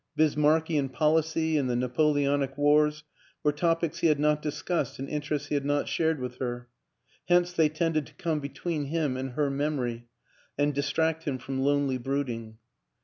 Bismarckian policy and the Napoleonic Wars were topics he had not discussed and inter ests he had not shared with her; hence they tended to come between him and her memory and dis tract him from lonely brooding.